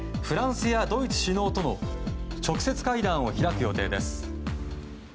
フランスやドイツ首脳との直接会談を開く予定です。